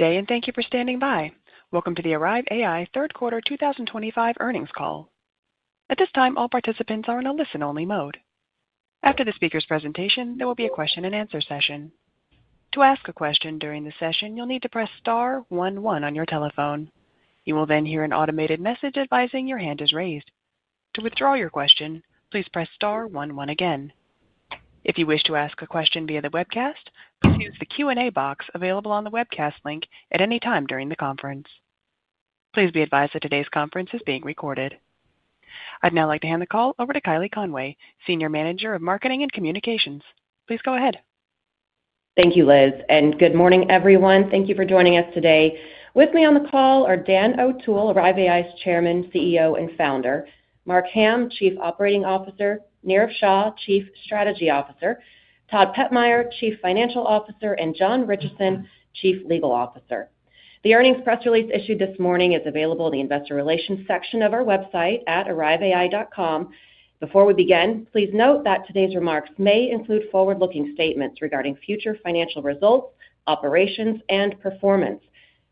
Today, and thank you for standing by. Welcome to the Arrive AI third quarter 2025 earnings call. At this time, all participants are in a listen-only mode. After the speaker's presentation, there will be a question-and-answer session. To ask a question during the session, you'll need to press star one one on your telephone. You will then hear an automated message advising your hand is raised. To withdraw your question, please press star one one again. If you wish to ask a question via the webcast, please use the Q&A box available on the webcast link at any time during the conference. Please be advised that today's conference is being recorded. I'd now like to hand the call over to Kylie Conway, Senior Manager of Marketing and Communications. Please go ahead. Thank you, Liz. Good morning, everyone. Thank you for joining us today. With me on the call are Dan O'Toole, Arrive AI's Chairman, CEO, and Founder; Mark Hamm, Chief Operating Officer; Neerav Shah, Chief Strategy Officer; Todd Pepmeier, Chief Financial Officer; and John Ritchison, Chief Legal Officer. The earnings press release issued this morning is available in the Investor Relations section of our website at arriveai.com. Before we begin, please note that today's remarks may include forward-looking statements regarding future financial results, operations, and performance.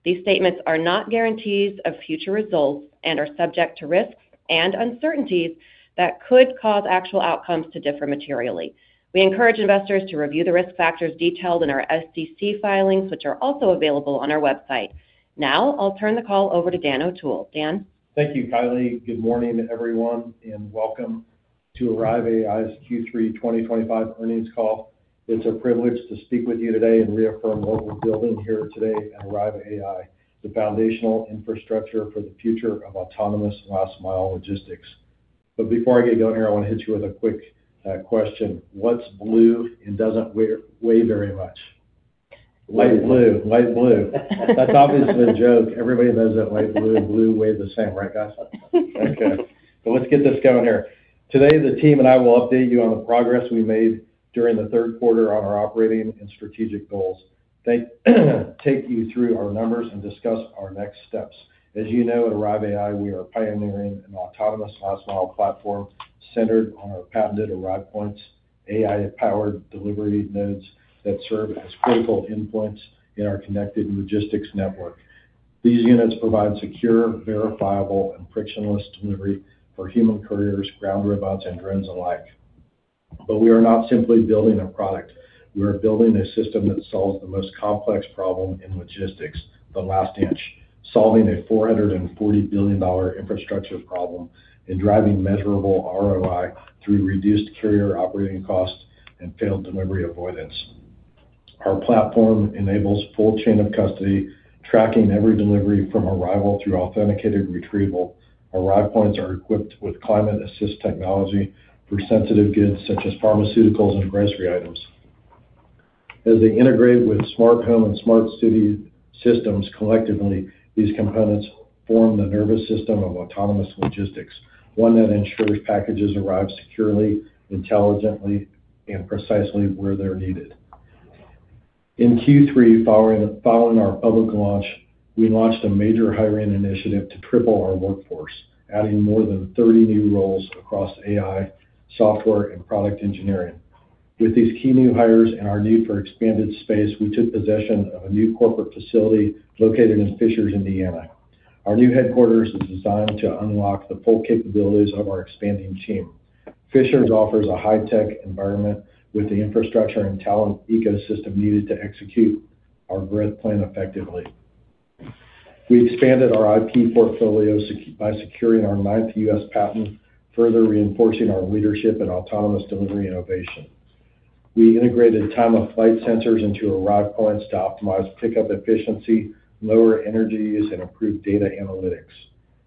These statements are not guarantees of future results and are subject to risks and uncertainties that could cause actual outcomes to differ materially. We encourage investors to review the risk factors detailed in our SEC filings, which are also available on our website. Now, I'll turn the call over to Dan O'Toole. Dan. Thank you, Kylie. Good morning, everyone, and welcome to Arrive AI's Q3 2025 earnings call. It's a privilege to speak with you today and reaffirm what we're building here today at Arrive AI, the foundational infrastructure for the future of autonomous last-mile logistics. Before I get going here, I want to hit you with a quick question. What's blue and doesn't weigh very much? Light blue. Light blue. That's obviously a joke. Everybody knows that light blue and blue weigh the same, right, guys? Okay. Let's get this going here. Today, the team and I will update you on the progress we made during the third quarter on our operating and strategic goals. Take you through our numbers and discuss our next steps. As you know, at Arrive AI, we are pioneering an autonomous last-mile platform centered on our patented Arrive Points AI-powered delivery nodes that serve as critical endpoints in our connected logistics network. These units provide secure, verifiable, and frictionless delivery for human couriers, ground robots, and drones alike. We are not simply building a product. We are building a system that solves the most complex problem in logistics, the last inch, solving a $440 billion infrastructure problem and driving measurable ROI through reduced carrier operating costs and failed delivery avoidance. Our platform enables full chain of custody, tracking every delivery from arrival through authenticated retrieval. Arrive Points are equipped with climate-assist technology for sensitive goods such as pharmaceuticals and grocery items. As they integrate with smart home and smart city systems collectively, these components form the nervous system of autonomous logistics, one that ensures packages arrive securely, intelligently, and precisely where they're needed. In Q3, following our public launch, we launched a major hiring initiative to triple our workforce, adding more than 30 new roles across AI, software, and product engineering. With these key new hires and our need for expanded space, we took possession of a new corporate facility located in Fishers, Indiana. Our new headquarters is designed to unlock the full capabilities of our expanding team. Fishers offers a high-tech environment with the infrastructure and talent ecosystem needed to execute our growth plan effectively. We expanded our IP portfolio by securing our ninth U.S. patent, further reinforcing our leadership in autonomous delivery innovation. We integrated time-of-flight sensors into Arrive Points to optimize pickup efficiency, lower energy use, and improve data analytics.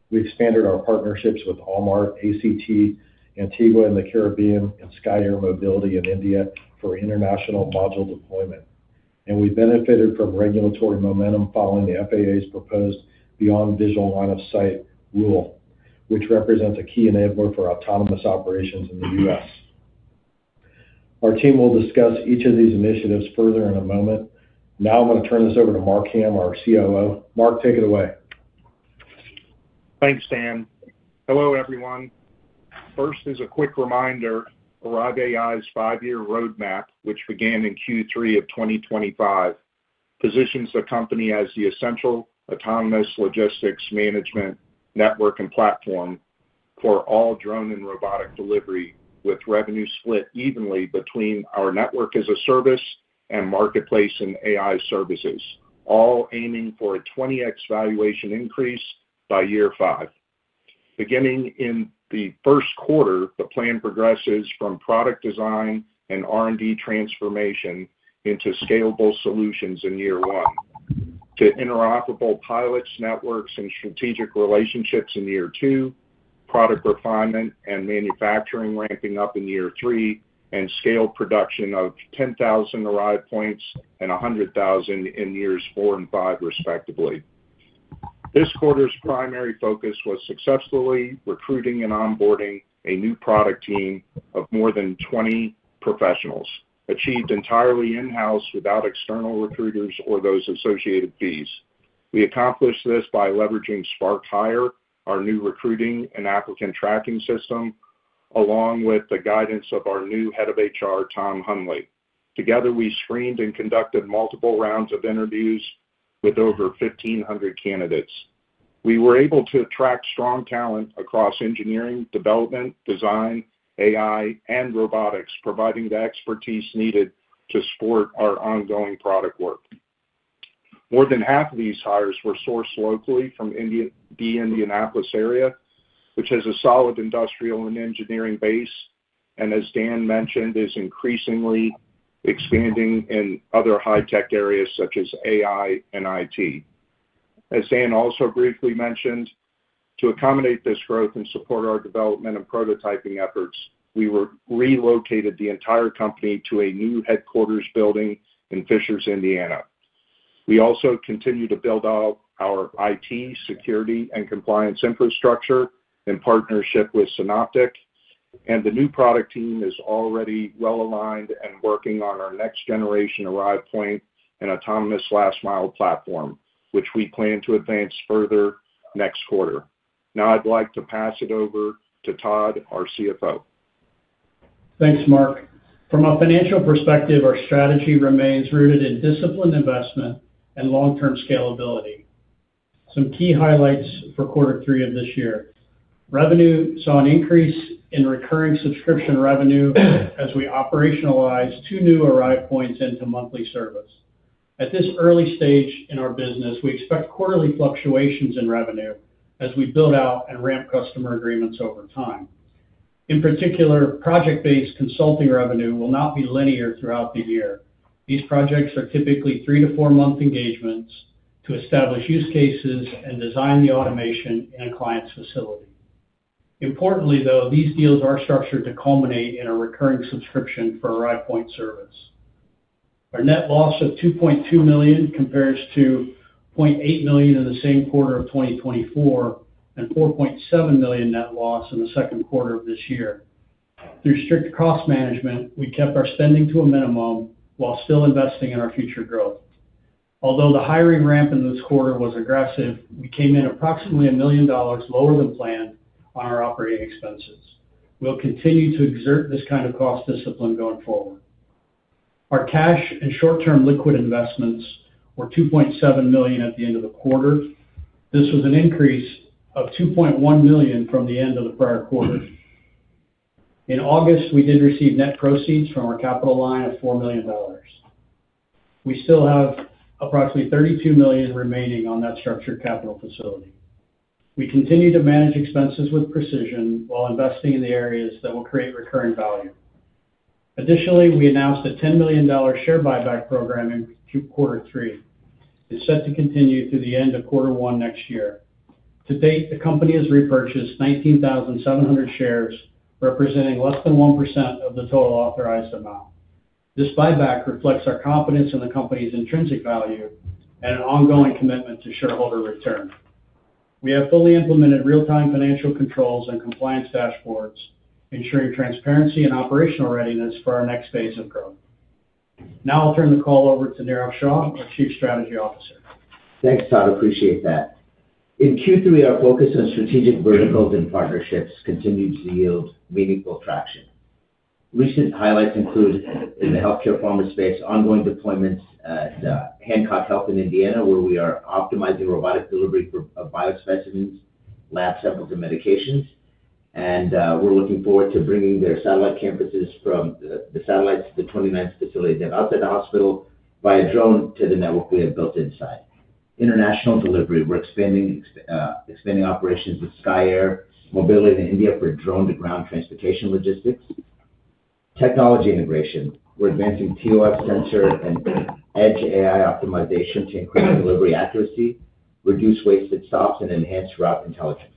We expanded our partnerships with AllMart, ACT Antigua and the Caribbean, and Skye Air Mobility in India for international module deployment. We benefited from regulatory momentum following the FAA's proposed beyond visual line of sight rule, which represents a key enabler for autonomous operations in the U.S. Our team will discuss each of these initiatives further in a moment. Now, I'm going to turn this over to Mark Hamm, our COO. Mark, take it away. Thanks, Dan. Hello, everyone. First, as a quick reminder, Arrive AI's five-year roadmap, which began in Q3 of 2025, positions the company as the essential autonomous logistics management network and platform for all drone and robotic delivery, with revenue split evenly between our network as a service and marketplace and AI services, all aiming for a 20x valuation increase by year five. Beginning in the first quarter, the plan progresses from product design and R&D transformation into scalable solutions in year one, to interoperable pilots, networks, and strategic relationships in year two, product refinement and manufacturing ramping up in year three, and scaled production of 10,000 Arrive Points and 100,000 in years four and five, respectively. This quarter's primary focus was successfully recruiting and onboarding a new product team of more than 20 professionals, achieved entirely in-house without external recruiters or those associated fees. We accomplished this by leveraging Spark Hire, our new recruiting and applicant tracking system, along with the guidance of our new Head of HR, Tom Hunley. Together, we screened and conducted multiple rounds of interviews with over 1,500 candidates. We were able to attract strong talent across engineering, development, design, AI, and robotics, providing the expertise needed to support our ongoing product work. More than half of these hires were sourced locally from the Indianapolis area, which has a solid industrial and engineering base and, as Dan mentioned, is increasingly expanding in other high-tech areas such as AI and IT. As Dan also briefly mentioned, to accommodate this growth and support our development and prototyping efforts, we relocated the entire company to a new headquarters building in Fishers, Indiana. We also continue to build out our IT security and compliance infrastructure in partnership with Synoptek. The new product team is already well aligned and working on our next-generation Arrive Point and Autonomous Last Mile platform, which we plan to advance further next quarter. Now, I'd like to pass it over to Todd, our CFO. Thanks, Mark. From a financial perspective, our strategy remains rooted in discipline, investment, and long-term scalability. Some key highlights for quarter three of this year: revenue saw an increase in recurring subscription revenue as we operationalized two new Arrive Points into monthly service. At this early stage in our business, we expect quarterly fluctuations in revenue as we build out and ramp customer agreements over time. In particular, project-based consulting revenue will not be linear throughout the year. These projects are typically three to four-month engagements to establish use cases and design the automation in a client's facility. Importantly, though, these deals are structured to culminate in a recurring subscription for Arrive Points service. Our net loss of $2.2 million compares to $0.8 million in the same quarter of 2024 and $4.7 million net loss in the second quarter of this year. Through strict cost management, we kept our spending to a minimum while still investing in our future growth. Although the hiring ramp in this quarter was aggressive, we came in approximately $1 million lower than planned on our operating expenses. We'll continue to exert this kind of cost discipline going forward. Our cash and short-term liquid investments were $2.7 million at the end of the quarter. This was an increase of $2.1 million from the end of the prior quarter. In August, we did receive net proceeds from our capital line of $4 million. We still have approximately $32 million remaining on that structured capital facility. We continue to manage expenses with precision while investing in the areas that will create recurring value. Additionally, we announced a $10 million share buyback program in quarter three. It's set to continue through the end of quarter one next year. To date, the company has repurchased 19,700 shares, representing less than 1% of the total authorized amount. This buyback reflects our confidence in the company's intrinsic value and an ongoing commitment to shareholder return. We have fully implemented real-time financial controls and compliance dashboards, ensuring transparency and operational readiness for our next phase of growth. Now, I'll turn the call over to Neerav Shah, our Chief Strategy Officer. Thanks, Todd. Appreciate that. In Q3, our focus on strategic verticals and partnerships continued to yield meaningful traction. Recent highlights include in the healthcare pharma space, ongoing deployments at Hancock Health in Indiana, where we are optimizing robotic delivery for biospecimens, lab samples, and medications. We are looking forward to bringing their satellite campuses from the satellites to the 29th facility outside the hospital via drone to the network we have built inside. International delivery. We are expanding operations with Skye Air Mobility in India for drone-to-ground transportation logistics. Technology integration. We are advancing time-of-flight sensor and edge AI optimization to increase delivery accuracy, reduce wasted stops, and enhance route intelligence.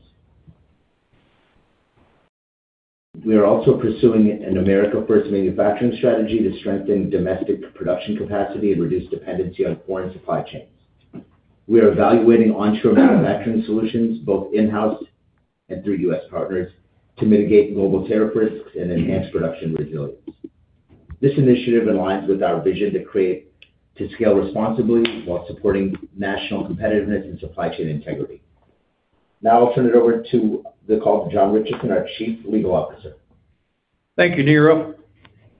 We are also pursuing an America-first manufacturing strategy to strengthen domestic production capacity and reduce dependency on foreign supply chains. We are evaluating onshore manufacturing solutions, both in-house and through U.S. partners, to mitigate global tariff risks and enhance production resilience. This initiative aligns with our vision to scale responsibly while supporting national competitiveness and supply chain integrity. Now, I'll turn it over to the call to John Ritchison, our Chief Legal Officer. Thank you, Neerav.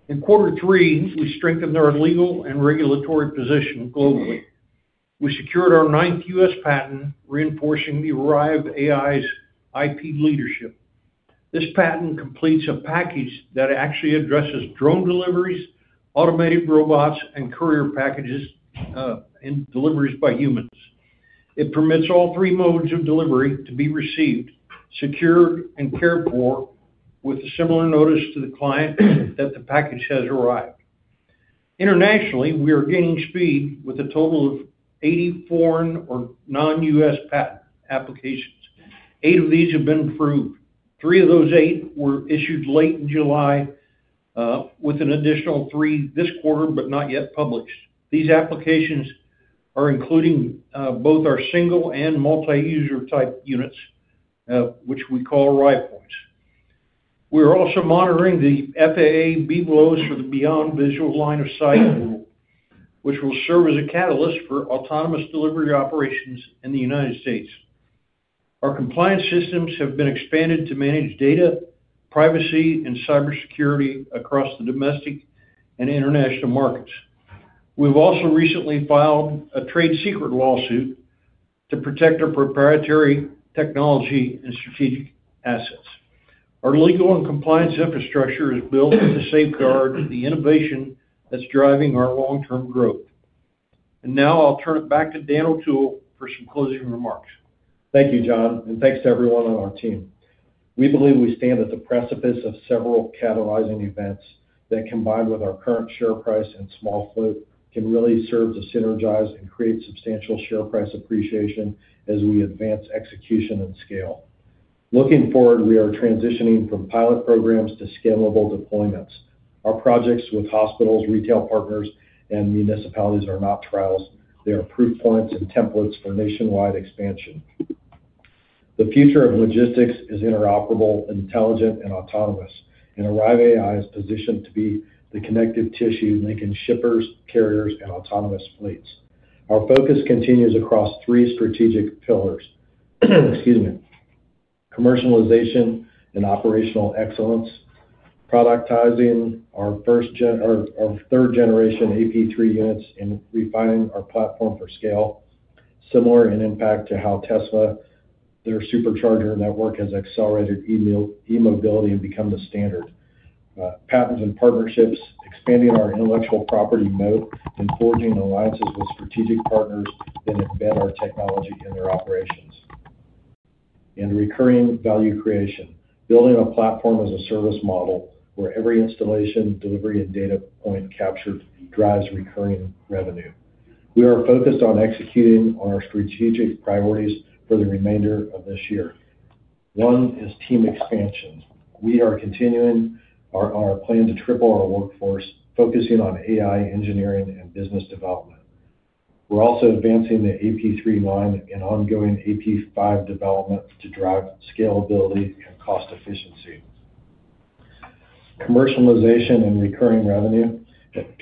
In quarter three, we strengthened our legal and regulatory position globally. We secured our ninth U.S. patent, reinforcing Arrive AI's IP leadership. This patent completes a package that actually addresses drone deliveries, automated robots, and courier packages and deliveries by humans. It permits all three modes of delivery to be received, secured, and cared for with a similar notice to the client that the package has arrived. Internationally, we are gaining speed with a total of 80 foreign or non-U.S. patent applications. Eight of these have been approved. Three of those eight were issued late in July, with an additional three this quarter, but not yet published. These applications are including both our single and multi-user type units, which we call Arrive Points. We are also monitoring the FAA BVLOS for the beyond visual line of sight rule, which will serve as a catalyst for autonomous delivery operations in the United States. Our compliance systems have been expanded to manage data, privacy, and cybersecurity across the domestic and international markets. We've also recently filed a trade secret lawsuit to protect our proprietary technology and strategic assets. Our legal and compliance infrastructure is built to safeguard the innovation that's driving our long-term growth. Now, I'll turn it back to Dan O'Toole for some closing remarks. Thank you, John, and thanks to everyone on our team. We believe we stand at the precipice of several catalyzing events that, combined with our current share price and small float, can really serve to synergize and create substantial share price appreciation as we advance execution and scale. Looking forward, we are transitioning from pilot programs to scalable deployments. Our projects with hospitals, retail partners, and municipalities are not trials. They are proof points and templates for nationwide expansion. The future of logistics is interoperable, intelligent, and autonomous. Arrive AI is positioned to be the connective tissue linking shippers, carriers, and autonomous fleets. Our focus continues across three strategic pillars: commercialization and operational excellence, productizing our third-generation AP3 units, and refining our platform for scale, similar in impact to how Tesla, their supercharger network, has accelerated e-mobility and become the standard. Patents and partnerships, expanding our intellectual property moat and forging alliances with strategic partners that embed our technology in their operations. Recurring value creation, building a platform as a service model where every installation, delivery, and data point captured drives recurring revenue. We are focused on executing on our strategic priorities for the remainder of this year. One is team expansion. We are continuing our plan to triple our workforce, focusing on AI, engineering, and business development. We're also advancing the AP3 line and ongoing AP5 developments to drive scalability and cost efficiency. Commercialization and recurring revenue,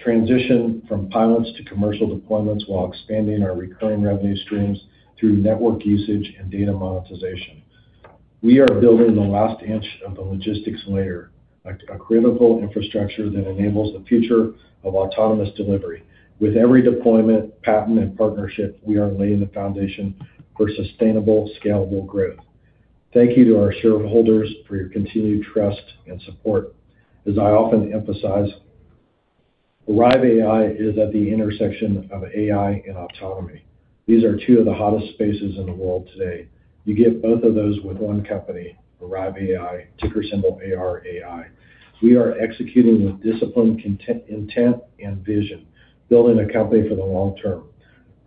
transition from pilots to commercial deployments while expanding our recurring revenue streams through network usage and data monetization. We are building the last inch of the logistics layer, a critical infrastructure that enables the future of autonomous delivery. With every deployment, patent, and partnership, we are laying the foundation for sustainable, scalable growth. Thank you to our shareholders for your continued trust and support. As I often emphasize, Arrive AI is at the intersection of AI and autonomy. These are two of the hottest spaces in the world today. You get both of those with one company, Arrive AI, ticker symbol ARAI. We are executing with discipline, intent, and vision, building a company for the long term.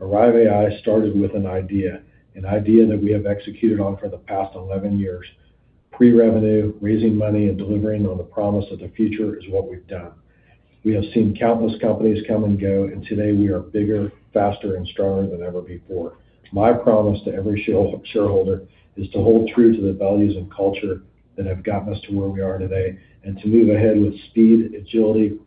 Arrive AI started with an idea, an idea that we have executed on for the past 11 years. Pre-revenue, raising money, and delivering on the promise of the future is what we've done. We have seen countless companies come and go, and today we are bigger, faster, and stronger than ever before. My promise to every shareholder is to hold true to the values and culture that have gotten us to where we are today and to move ahead with speed, agility,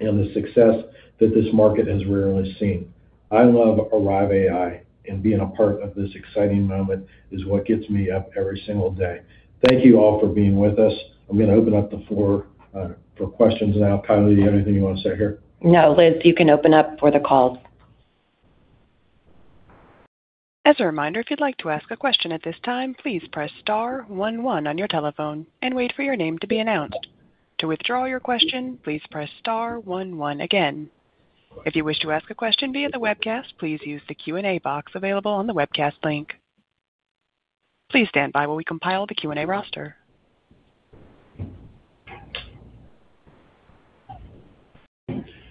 and the success that this market has rarely seen. I love Arrive AI, and being a part of this exciting moment is what gets me up every single day. Thank you all for being with us. I'm going to open up the floor for questions now. Kylie, do you have anything you want to say here? No, Liz, you can open up for the call. As a reminder, if you'd like to ask a question at this time, please press star one one on your telephone and wait for your name to be announced. To withdraw your question, please press star one one again. If you wish to ask a question via the webcast, please use the Q&A box available on the webcast link. Please stand by while we compile the Q&A roster.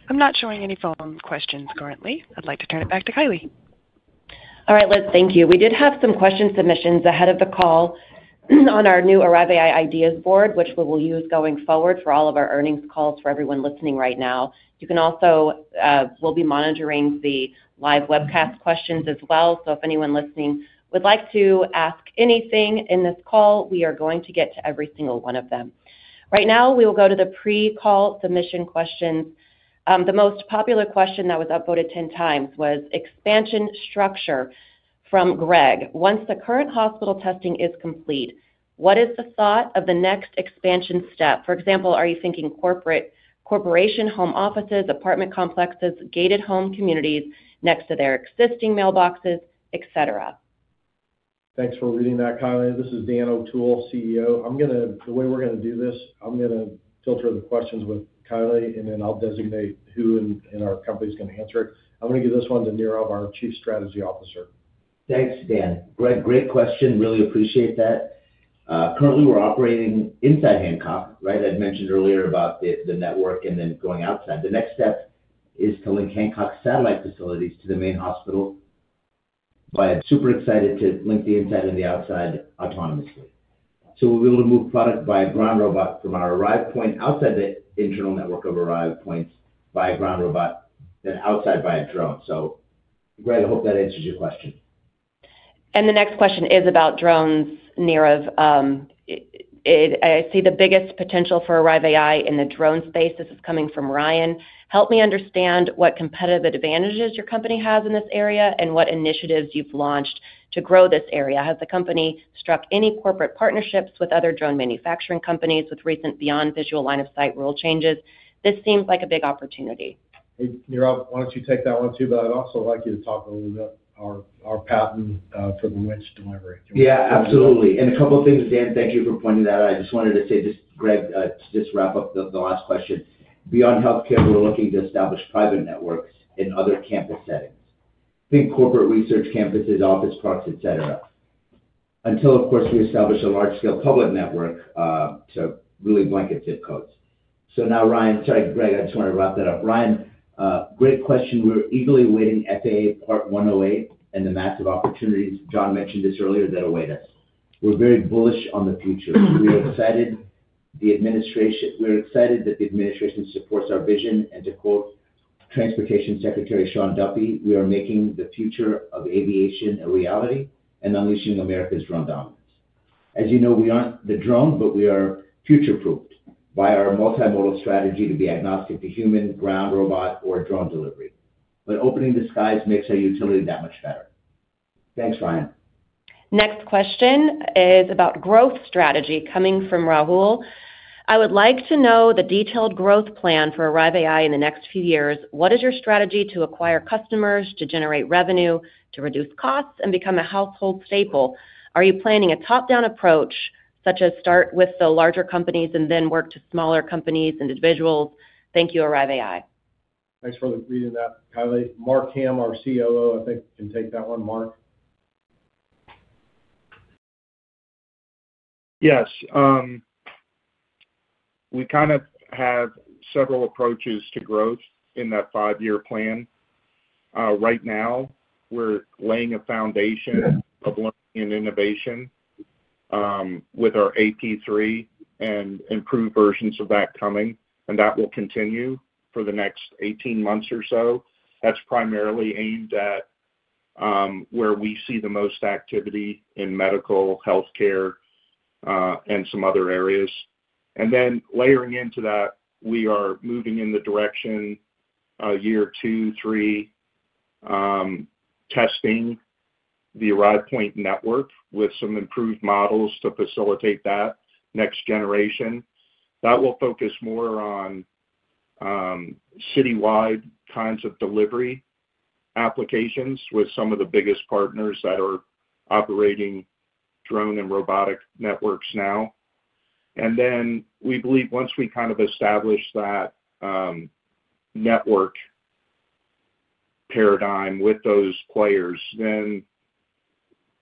I'm not showing any phone questions currently. I'd like to turn it back to Kylie. All right, Liz, thank you. We did have some question submissions ahead of the call on our new Arrive AI Ideas board, which we will use going forward for all of our earnings calls for everyone listening right now. You can also—we'll be monitoring the live webcast questions as well. If anyone listening would like to ask anything in this call, we are going to get to every single one of them. Right now, we will go to the pre-call submission questions. The most popular question that was upvoted 10 times was expansion structure from Greg. Once the current hospital testing is complete, what is the thought of the next expansion step? For example, are you thinking corporate corporation home offices, apartment complexes, gated home communities next to their existing mailboxes, etc.? Thanks for reading that, Kylie. This is Dan O'Toole, CEO. I'm going to—the way we're going to do this, I'm going to filter the questions with Kylie, and then I'll designate who in our company is going to answer it. I'm going to give this one to Neerav, our Chief Strategy Officer. Thanks, Dan. Greg, great question. Really appreciate that. Currently, we're operating inside Hancock, right? I'd mentioned earlier about the network and then going outside. The next step is to link Hancock's satellite facilities to the main hospital via. Super excited to link the inside and the outside autonomously. We will be able to move product via ground robot from our Arrive Point outside the internal network of Arrive Points via ground robot, then outside via drone. Greg, I hope that answers your question. The next question is about drones, Neerav. I see the biggest potential for Arrive AI in the drone space. This is coming from Ryan. Help me understand what competitive advantages your company has in this area and what initiatives you've launched to grow this area. Has the company struck any corporate partnerships with other drone manufacturing companies with recent beyond visual line of sight rule changes? This seems like a big opportunity. Neerav, why don't you take that one too? I'd also like you to talk a little bit about our patent for the winch delivery. Yeah, absolutely. A couple of things, Dan, thank you for pointing that out. I just wanted to say, Greg, to just wrap up the last question. Beyond healthcare, we're looking to establish private networks in other campus settings, big corporate research campuses, office parks, etc., until, of course, we establish a large-scale public network to really blanket zip codes. Now, Ryan—sorry, Greg, I just want to wrap that up. Ryan, great question. We're eagerly awaiting FAA Part 108 and the massive opportunities. John mentioned this earlier that await us. We're very bullish on the future. We're excited that the administration supports our vision. To quote Transportation Secretary Sean Duffy, "We are making the future of aviation a reality and unleashing America's drone dominance." As you know, we aren't the drone, but we are future-proofed by our multimodal strategy to be agnostic to human, ground, robot, or drone delivery. Opening the skies makes our utility that much better. Thanks, Ryan. Next question is about growth strategy coming from Rahul. I would like to know the detailed growth plan for Arrive AI in the next few years. What is your strategy to acquire customers, to generate revenue, to reduce costs, and become a household staple? Are you planning a top-down approach, such as start with the larger companies and then work to smaller companies and individuals? Thank you, Arrive AI. Thanks for reading that, Kylie. Mark Hamm, our COO, I think can take that one. Mark. Yes. We kind of have several approaches to growth in that five-year plan. Right now, we're laying a foundation of learning and innovation with our AP3 and improved versions of that coming. That will continue for the next 18 months or so. That's primarily aimed at where we see the most activity in medical, healthcare, and some other areas. Layering into that, we are moving in the direction year two, three, testing the Arrive Point network with some improved models to facilitate that next generation. That will focus more on citywide kinds of delivery applications with some of the biggest partners that are operating drone and robotic networks now. We believe once we kind of establish that network paradigm with those players,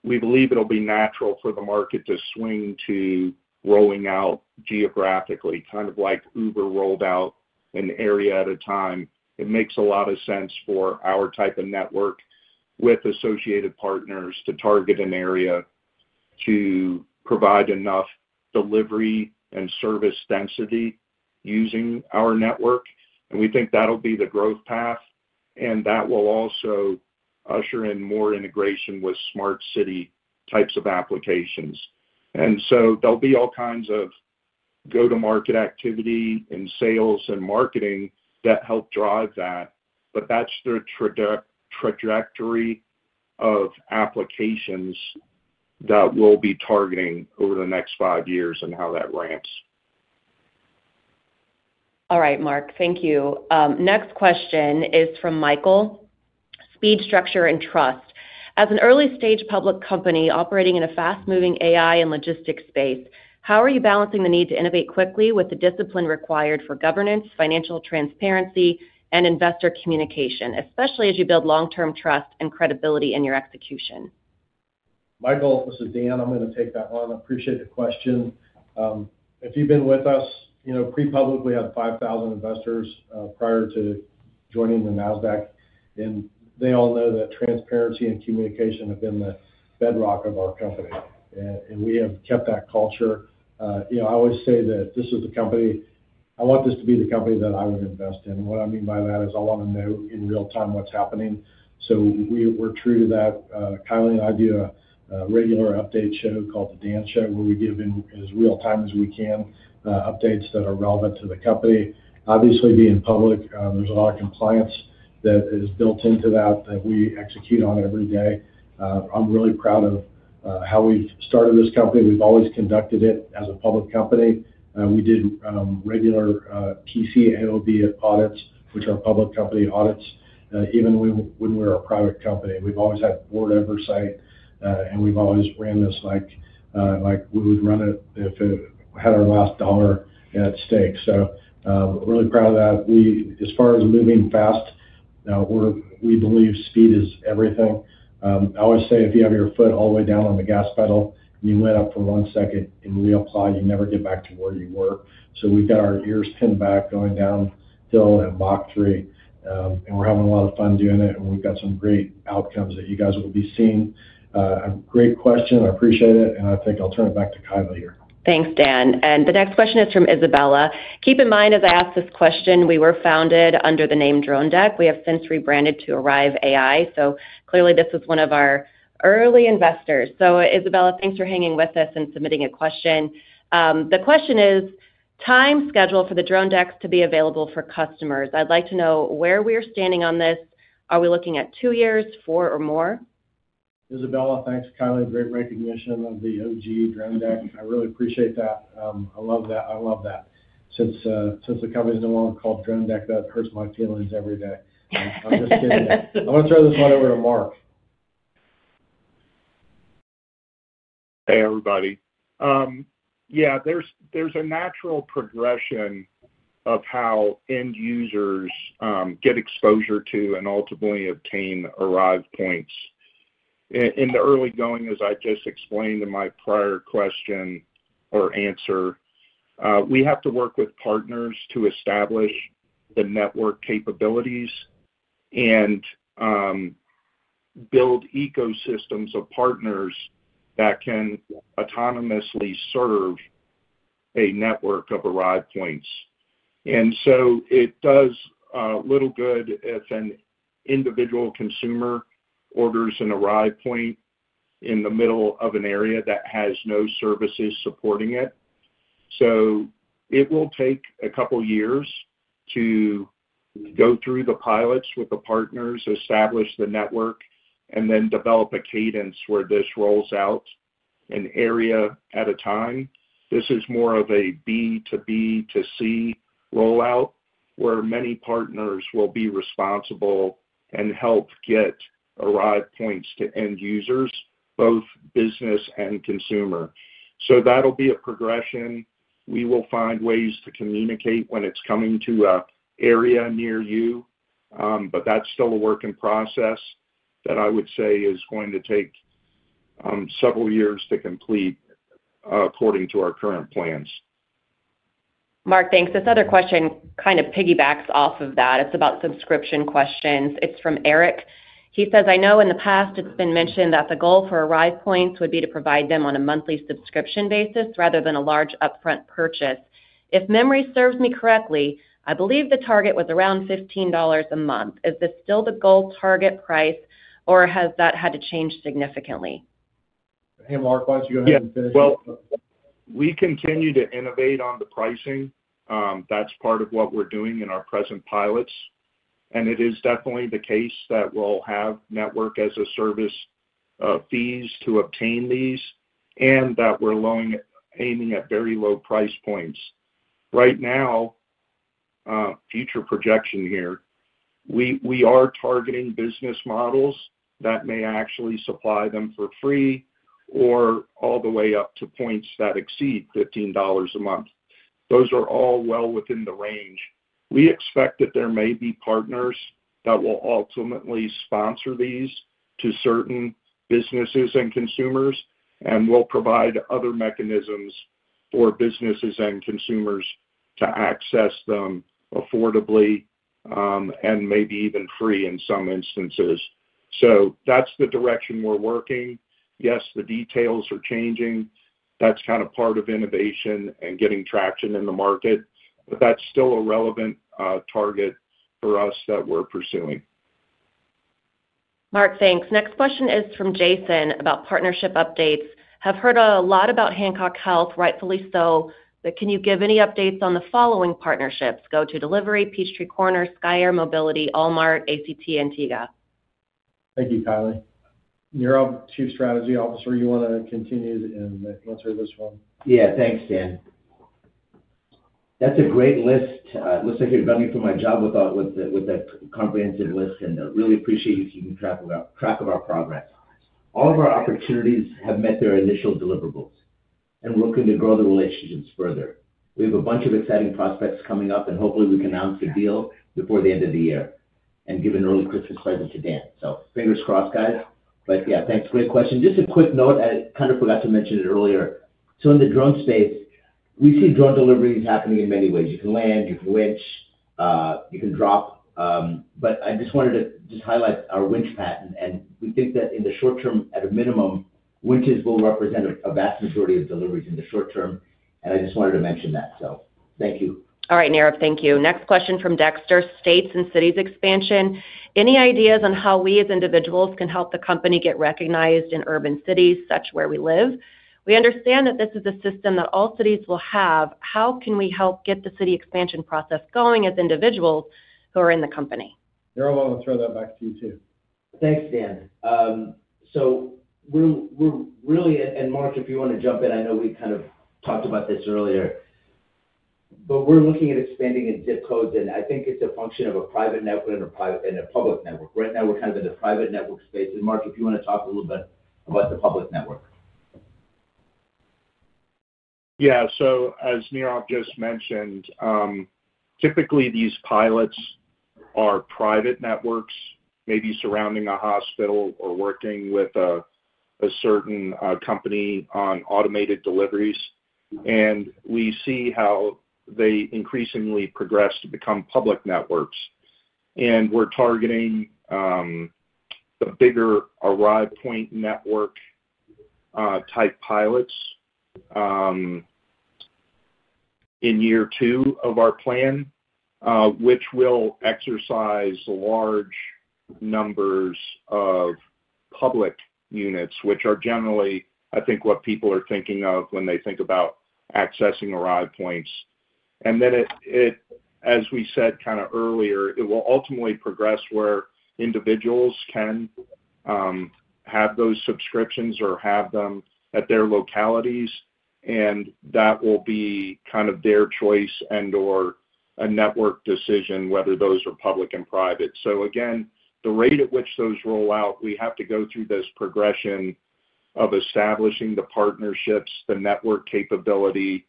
we believe it'll be natural for the market to swing to rolling out geographically, kind of like Uber rolled out an area at a time. It makes a lot of sense for our type of network with associated partners to target an area to provide enough delivery and service density using our network. We think that'll be the growth path. That will also usher in more integration with smart city types of applications. There will be all kinds of go-to-market activity and sales and marketing that help drive that. That's the trajectory of applications that we'll be targeting over the next five years and how that ramps. All right, Mark. Thank you. Next question is from Michael. Speed, structure, and trust. As an early-stage public company operating in a fast-moving AI and logistics space, how are you balancing the need to innovate quickly with the discipline required for governance, financial transparency, and investor communication, especially as you build long-term trust and credibility in your execution? Michael, this is Dan. I'm going to take that one. I appreciate the question. If you've been with us, pre-public, we had 5,000 investors prior to joining the Nasdaq. They all know that transparency and communication have been the bedrock of our company. We have kept that culture. I always say that this is the company—I want this to be the company that I would invest in. What I mean by that is I want to know in real time what's happening. We're true to that. Kylie and I do a regular update show called The Dan Show, where we give in as real time as we can updates that are relevant to the company. Obviously, being public, there's a lot of compliance that is built into that that we execute on every day. I'm really proud of how we've started this company. We've always conducted it as a public company. We did regular PCAOB audits, which are public company audits, even when we were a private company. We've always had board oversight, and we've always ran this like we would run it if it had our last dollar at stake. Really proud of that. As far as moving fast, we believe speed is everything. I always say if you have your foot all the way down on the gas pedal, you let up for one second, and when you apply, you never get back to where you were. We've got our ears pinned back going downhill and Mach 3. We're having a lot of fun doing it, and we've got some great outcomes that you guys will be seeing. Great question. I appreciate it. I think I'll turn it back to Kylie here. Thanks, Dan. The next question is from Isabella. "Keep in mind, as I asked this question, we were founded under the name DroneDek. We have since rebranded to Arrive AI. So clearly, this was one of our early investors." Isabella, thanks for hanging with us and submitting a question. The question is, "Time schedule for the DroneDek to be available for customers. I'd like to know where we are standing on this. Are we looking at two years, four, or more?" Isabella, thanks. Kylie, great recognition of the OG DroneDek. I really appreciate that. I love that. Since the company is no longer called DroneDek, that hurts my feelings every day. I'm just kidding. I'm going to throw this one over to Mark. Hey, everybody. Yeah, there's a natural progression of how end users get exposure to and ultimately obtain Arrive Points. In the early going, as I just explained in my prior question or answer, we have to work with partners to establish the network capabilities and build ecosystems of partners that can autonomously serve a network of Arrive Points. It does little good if an individual consumer orders an Arrive Point in the middle of an area that has no services supporting it. It will take a couple of years to go through the pilots with the partners, establish the network, and then develop a cadence where this rolls out an area at a time. This is more of a B to B to C rollout where many partners will be responsible and help get Arrive Points to end users, both business and consumer. That will be a progression. We will find ways to communicate when it's coming to an area near you. That is still a work in process that I would say is going to take several years to complete according to our current plans. Mark, thanks. This other question kind of piggybacks off of that. It's about subscription questions. It's from Eric. He says, I know in the past it's been mentioned that the goal for Arrive Points would be to provide them on a monthly subscription basis rather than a large upfront purchase. If memory serves me correctly, I believe the target was around $15 a month. Is this still the goal target price, or has that had to change significantly? Hey, Mark, why don't you go ahead and finish it? We continue to innovate on the pricing. That's part of what we're doing in our present pilots. It is definitely the case that we'll have network as a service fees to obtain these and that we're aiming at very low price points. Right now, future projection here, we are targeting business models that may actually supply them for free or all the way up to points that exceed $15 a month. Those are all well within the range. We expect that there may be partners that will ultimately sponsor these to certain businesses and consumers and will provide other mechanisms for businesses and consumers to access them affordably and maybe even free in some instances. That's the direction we're working. Yes, the details are changing. That's kind of part of innovation and getting traction in the market. That's still a relevant target for us that we're pursuing. Mark, thanks. Next question is from Jason about partnership updates. Have heard a lot about Hancock Health. Rightfully so. But can you give any updates on the following partnerships? GO2 Delivery, Peachtree Corners, Skye Air Mobility, Walmart, ACT Antigua. Thank you, Kylie. Neerav, Chief Strategy Officer, you want to continue and answer this one? Yeah, thanks, Dan. That's a great list. It looks like you're gunning for my job with that comprehensive list. I really appreciate you keeping track of our progress. All of our opportunities have met their initial deliverables and we're looking to grow the relationships further. We have a bunch of exciting prospects coming up, and hopefully we can announce a deal before the end of the year and give an early Christmas present to Dan. Fingers crossed, guys. Yeah, thanks. Great question. Just a quick note, I kind of forgot to mention it earlier. In the drone space, we see drone deliveries happening in many ways. You can land, you can winch, you can drop. I just wanted to highlight our winch patent. We think that in the short term, at a minimum, winches will represent a vast majority of deliveries in the short term. I just wanted to mention that. Thank you. All right, Neerav, thank you. Next question from Dexter. States and cities expansion. Any ideas on how we as individuals can help the company get recognized in urban cities such where we live? We understand that this is a system that all cities will have. How can we help get the city expansion process going as individuals who are in the company? Neerav, I'm going to throw that back to you too. Thanks, Dan. We're really—and Mark, if you want to jump in, I know we kind of talked about this earlier—but we're looking at expanding in zip codes. I think it's a function of a private network and a public network. Right now, we're kind of in the private network space. Mark, if you want to talk a little bit about the public network. Yeah. As Neerav just mentioned, typically these pilots are private networks, maybe surrounding a hospital or working with a certain company on automated deliveries. We see how they increasingly progress to become public networks. We're targeting the bigger Arrive Point network type pilots in year two of our plan, which will exercise large numbers of public units, which are generally, I think, what people are thinking of when they think about accessing Arrive Points. As we said kind of earlier, it will ultimately progress where individuals can have those subscriptions or have them at their localities. That will be kind of their choice and/or a network decision, whether those are public and private. Again, the rate at which those roll out, we have to go through this progression of establishing the partnerships, the network capability.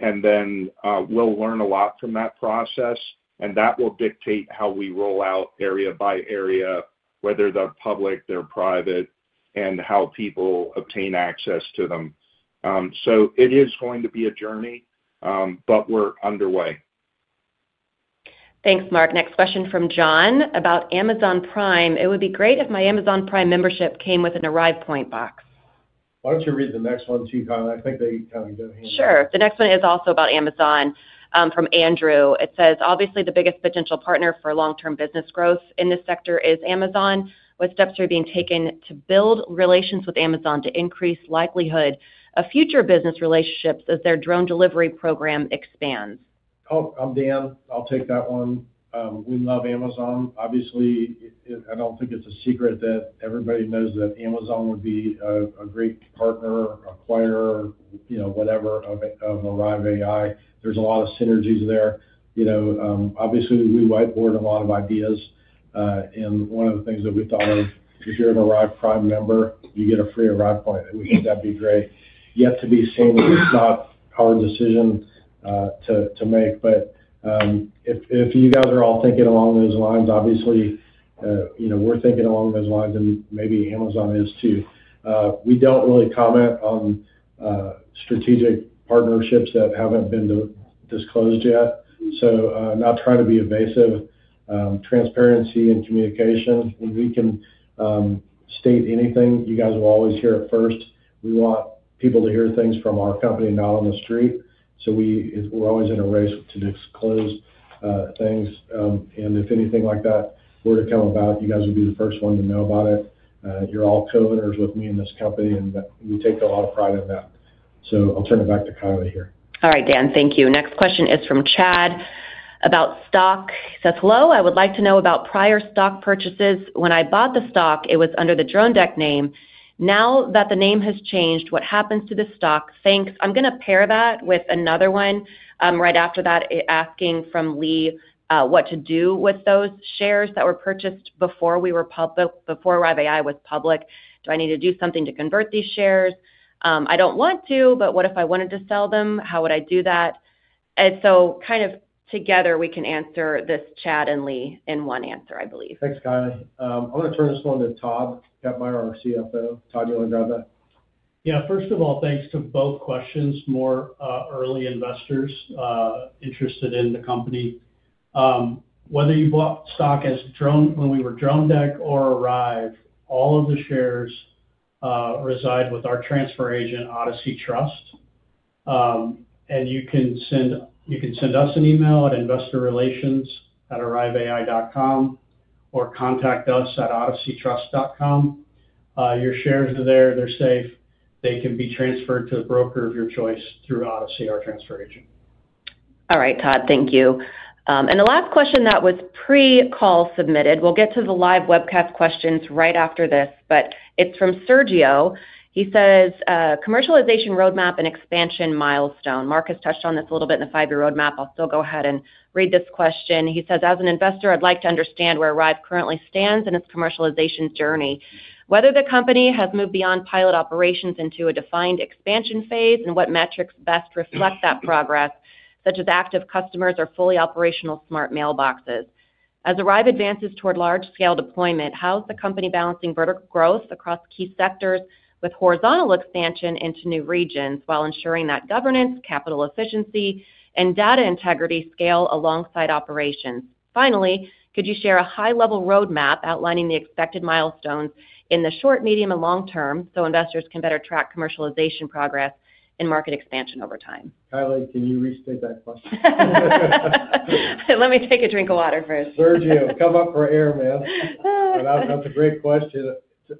We'll learn a lot from that process. That will dictate how we roll out area by area, whether they're public, they're private, and how people obtain access to them. It is going to be a journey, but we're underway. Thanks, Mark. Next question from John about Amazon Prime. "It would be great if my Amazon Prime membership came with an Arrive Point box." Why don't you read the next one too, Kylie? I think they kind of go hand in hand. Sure. The next one is also about Amazon from Andrew. It says, "Obviously, the biggest potential partner for long-term business growth in this sector is Amazon, with steps being taken to build relations with Amazon to increase the likelihood of future business relationships as their drone delivery program expands." Oh, I'm Dan. I'll take that one. We love Amazon. Obviously, I don't think it's a secret that everybody knows that Amazon would be a great partner, acquirer, whatever, of Arrive AI. There's a lot of synergies there. Obviously, we whiteboard a lot of ideas. One of the things that we thought of, if you're an Arrive Prime member, you get a free Arrive Point. We think that'd be great. Yet to be seen. It's not our decision to make. If you guys are all thinking along those lines, obviously, we're thinking along those lines, and maybe Amazon is too. We don't really comment on strategic partnerships that haven't been disclosed yet. Not trying to be evasive. Transparency and communication. When we can state anything, you guys will always hear it first. We want people to hear things from our company, not on the street. We're always in a race to disclose things. If anything like that were to come about, you guys would be the first one to know about it. You're all co-owners with me in this company, and we take a lot of pride in that. I'll turn it back to Kylie here. All right, Dan. Thank you. Next question is from Chad about stock. He says, "Hello. I would like to know about prior stock purchases. When I bought the stock, it was under the DroneDek name. Now that the name has changed, what happens to the stock? Thanks." I'm going to pair that with another one right after that, asking from Lee what to do with those shares that were purchased before Arrive AI was public. "Do I need to do something to convert these shares? I don't want to, but what if I wanted to sell them? How would I do that?" Kind of together, we can answer this Chad and Lee in one answer, I believe. Thanks, Kylie. I'm going to turn this one to Todd Pepmeier, our CFO. Todd, you want to grab that? Yeah. First of all, thanks to both questions. More early investors interested in the company. Whether you bought stock when we were DroneDek or Arrive, all of the shares reside with our transfer agent, Odyssey Trust. You can send us an email at investorrelations@arriveai.com or contact us at odysseytrust.com. Your shares are there. They're safe. They can be transferred to a broker of your choice through Odyssey, our transfer agent. All right, Todd. Thank you. The last question that was pre-call submitted. We'll get to the live webcast questions right after this. It's from Sergio. He says, "Commercialization roadmap and expansion milestone." Mark has touched on this a little bit in the five-year roadmap. I'll still go ahead and read this question. He says, "As an investor, I'd like to understand where Arrive currently stands in its commercialization journey. Whether the company has moved beyond pilot operations into a defined expansion phase and what metrics best reflect that progress, such as active customers or fully operational smart mailboxes. As Arrive advances toward large-scale deployment, how is the company balancing vertical growth across key sectors with horizontal expansion into new regions while ensuring that governance, capital efficiency, and data integrity scale alongside operations? Finally, could you share a high-level roadmap outlining the expected milestones in the short, medium, and long term so investors can better track commercialization progress and market expansion over time? Kylie, can you restate that question? Let me take a drink of water first. Sergio, come up for air, man. That's a great question.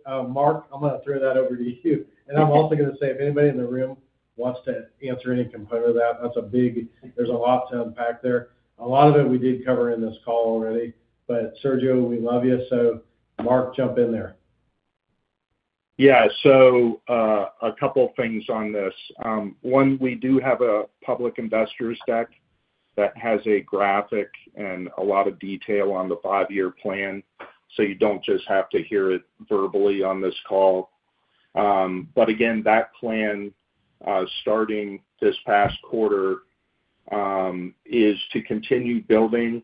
Mark, I'm going to throw that over to you. I'm also going to say, if anybody in the room wants to answer any component of that, that's a big, there's a lot to unpack there. A lot of it we did cover in this call already. Sergio, we love you. Mark, jump in there. Yeah. So a couple of things on this. One, we do have a public investors deck that has a graphic and a lot of detail on the five-year plan so you don't just have to hear it verbally on this call. But again, that plan starting this past quarter is to continue building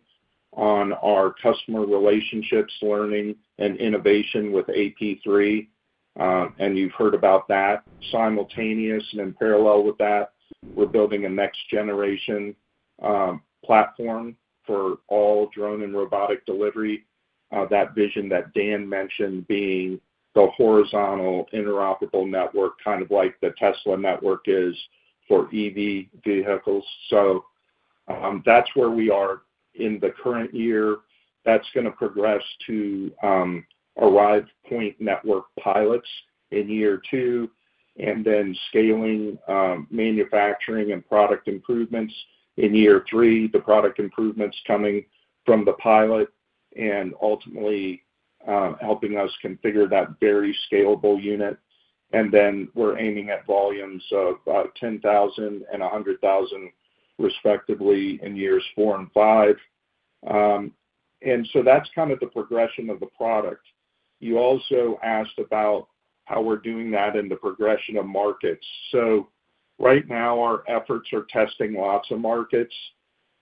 on our customer relationships, learning, and innovation with AP3. And you've heard about that. Simultaneous and in parallel with that, we're building a next-generation platform for all drone and robotic delivery. That vision that Dan mentioned being the horizontal interoperable network, kind of like the Tesla network is for EV vehicles. That's where we are in the current year. That's going to progress to Arrive Point network pilots in year two, and then scaling manufacturing and product improvements in year three, the product improvements coming from the pilot and ultimately helping us configure that very scalable unit. We're aiming at volumes of 10,000 and 100,000, respectively, in years four and five. That's kind of the progression of the product. You also asked about how we're doing that in the progression of markets. Right now, our efforts are testing lots of markets.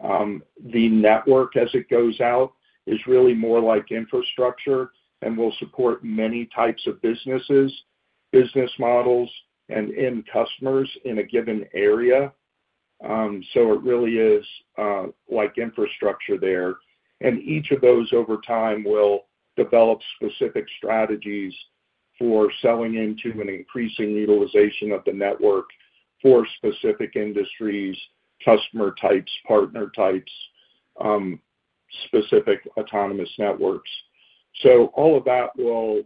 The network, as it goes out, is really more like infrastructure and will support many types of businesses, business models, and end customers in a given area. It really is like infrastructure there. Each of those, over time, will develop specific strategies for selling into and increasing utilization of the network for specific industries, customer types, partner types, specific autonomous networks. All of that will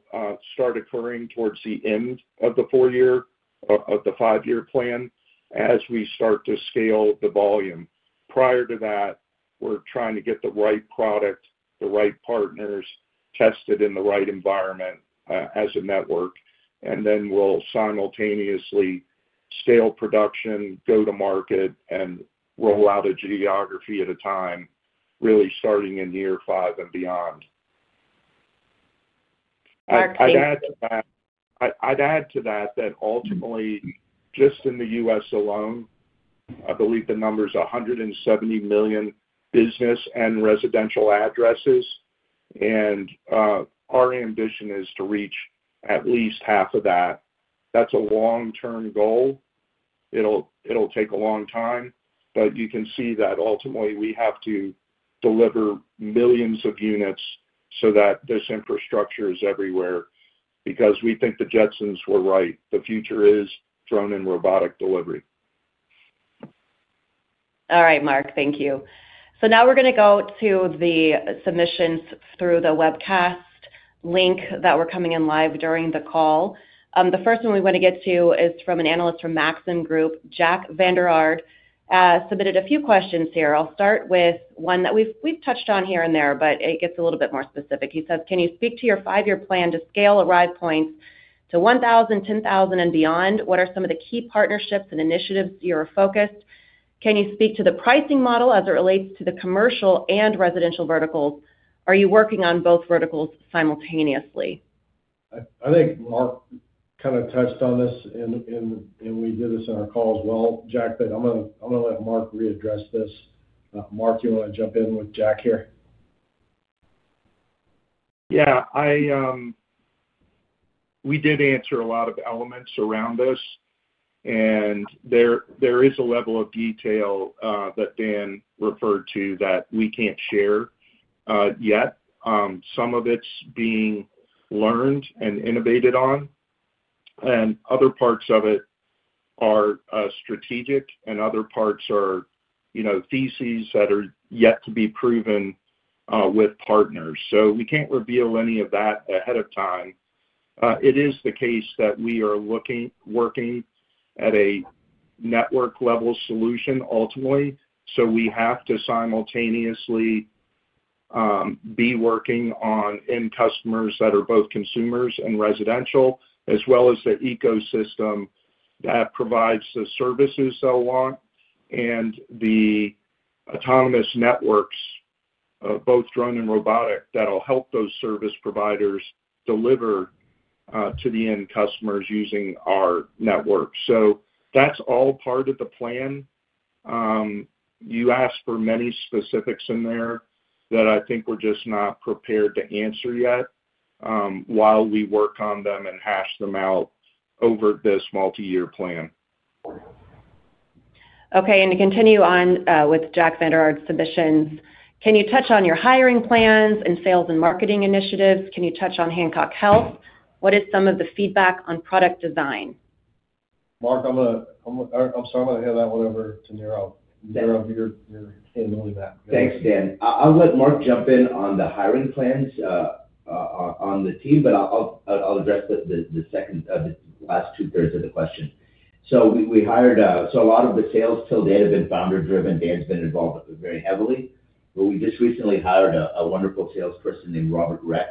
start occurring towards the end of the four-year of the five-year plan as we start to scale the volume. Prior to that, we're trying to get the right product, the right partners tested in the right environment as a network. Then we'll simultaneously scale production, go to market, and roll out a geography at a time, really starting in year five and beyond. Mark, can you? I'd add to that that ultimately, just in the U.S. alone, I believe the number is 170 million business and residential addresses. Our ambition is to reach at least half of that. That's a long-term goal. It'll take a long time. You can see that ultimately we have to deliver millions of units so that this infrastructure is everywhere because we think the Jetsons were right. The future is drone and robotic delivery. All right, Mark. Thank you. Now we're going to go to the submissions through the webcast link that are coming in live during the call. The first one we want to get to is from an analyst from Maxim Group, Jack Vander Aarde, who submitted a few questions here. I'll start with one that we've touched on here and there, but it gets a little bit more specific. He says, "Can you speak to your five-year plan to scale Arrive Point to 1,000, 10,000, and beyond? What are some of the key partnerships and initiatives you're focused on? Can you speak to the pricing model as it relates to the commercial and residential verticals? Are you working on both verticals simultaneously?" I think Mark kind of touched on this, and we did this in our call as well. Jack, I'm going to let Mark readdress this. Mark, you want to jump in with Jack here? Yeah. We did answer a lot of elements around this. There is a level of detail that Dan referred to that we can't share yet. Some of it's being learned and innovated on. Other parts of it are strategic, and other parts are theses that are yet to be proven with partners. We can't reveal any of that ahead of time. It is the case that we are working at a network-level solution ultimately. We have to simultaneously be working on end customers that are both consumers and residential, as well as the ecosystem that provides the services they'll want and the autonomous networks, both drone and robotic, that'll help those service providers deliver to the end customers using our network. That's all part of the plan. You asked for many specifics in there that I think we're just not prepared to answer yet while we work on them and hash them out over this multi-year plan. Okay. To continue on with Jack Vander Aarde's submissions, can you touch on your hiring plans and sales and marketing initiatives? Can you touch on Hancock Health? What is some of the feedback on product design? Mark, I'm sorry. I'm going to hand that one over to Neerav. Neerav, you're handling that. Thanks, Dan. I'll let Mark jump in on the hiring plans on the team, but I'll address the last two-thirds of the question. A lot of the sales till data have been founder-driven. Dan's been involved very heavily. We just recently hired a wonderful salesperson named Robert Rex,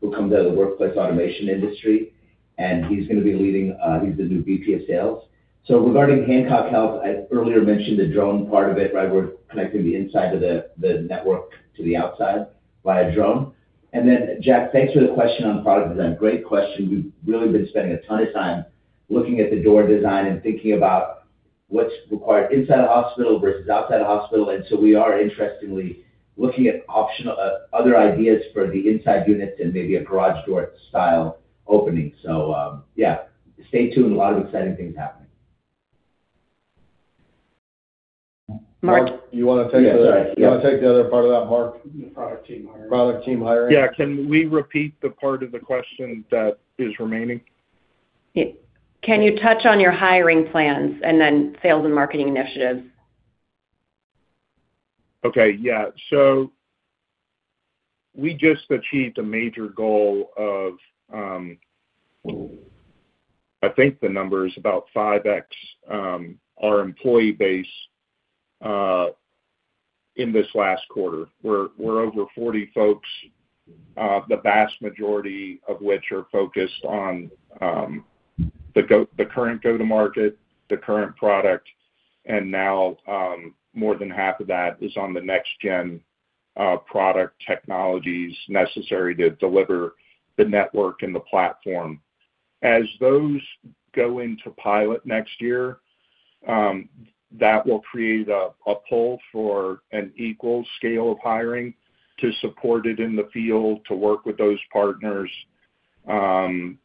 who comes out of the workplace automation industry. He's going to be leading, he's the new VP of Sales. Regarding Hancock Health, I earlier mentioned the drone part of it, right? We're connecting the inside of the network to the outside via drone. Jack, thanks for the question on product design. Great question. We've really been spending a ton of time looking at the door design and thinking about what's required inside a hospital versus outside a hospital. We are, interestingly, looking at other ideas for the inside units and maybe a garage door style opening. Yeah, stay tuned. A lot of exciting things happening. Mark, you want to take the— Yeah, sorry. You want to take the other part of that, Mark? The product team hiring. Product team hiring. Yeah. Can we repeat the part of the question that is remaining? Can you touch on your hiring plans and then sales and marketing initiatives? Okay. Yeah. So we just achieved a major goal of, I think the number is about 5X our employee base in this last quarter. We're over 40 folks, the vast majority of which are focused on the current go-to-market, the current product. And now more than half of that is on the next-gen product technologies necessary to deliver the network and the platform. As those go into pilot next year, that will create a pull for an equal scale of hiring to support it in the field, to work with those partners. And